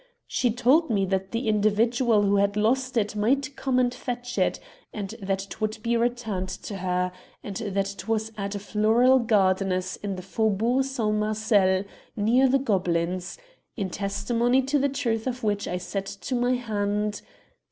She told me that the in dividual who had lost it might come and fetch it, and that it would be returned to her ; and that it was at a floral gardener's in the Faubourg St. Marcel, near the Gobelins : in testimony to the truth of which I set to my hand.